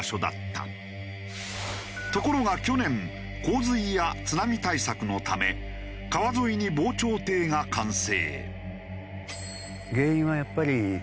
ところが去年洪水や津波対策のため川沿いに防潮堤が完成。